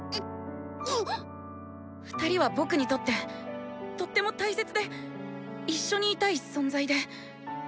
２人は僕にとってとっても大切で一緒にいたい存在で。